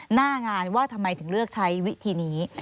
หน้างานว่าทำไมถึงเลือกใช้วิธีนี้